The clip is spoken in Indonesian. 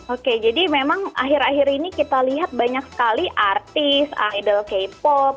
oke jadi memang akhir akhir ini kita lihat banyak sekali artis idol k pop